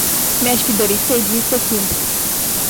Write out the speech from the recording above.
Mi-aș fi dorit să existe timp.